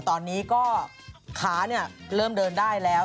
ตอนนี้ก็ขาเริ่มเดินได้แล้ว